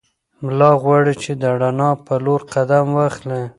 ملا غواړي چې د رڼا په لور قدم واخلي.